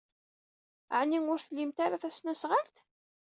Ɛni ur tlimt ara tasnasɣalt?